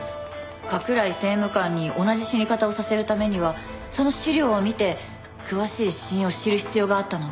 加倉井政務官に同じ死に方をさせるためにはその資料を見て詳しい死因を知る必要があったのね。